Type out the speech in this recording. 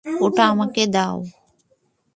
ওটা আমায় দাও।